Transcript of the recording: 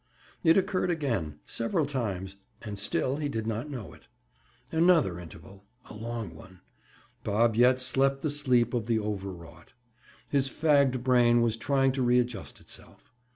It occurred again—several times—and still he did not know it. Another interval!—a long one! Bob yet slept the sleep of the overwrought. His fagged brain was trying to readjust itself.